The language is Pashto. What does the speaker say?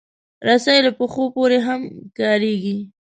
رسۍ له پښو پورې هم کارېږي.